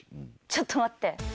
ちょっと待って。